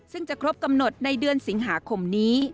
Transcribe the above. ซึ่งจะครบกำหนดในเดือนสิงหาคมนี้